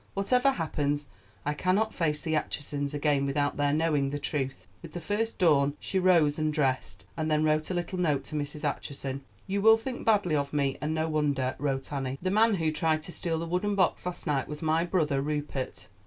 "Whatever happens, I cannot face the Achesons again without their knowing the truth." With the first dawn she rose and dressed, and then wrote a little note to Mrs. Acheson. "You will think badly of me, and no wonder," wrote Annie. "The man who tried to steal the wooden box last night was my brother Rupert.